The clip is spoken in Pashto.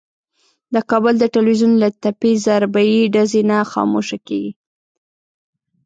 د کابل د ټلوېزیون له تپې ضربهیي ډزې نه خاموشه کېږي.